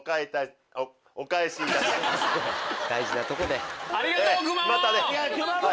大事なとこで。